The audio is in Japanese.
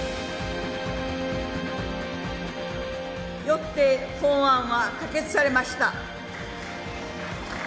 「よって本案は可決されました」。